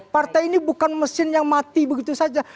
partai ini bukan mesin yang mati begitu saja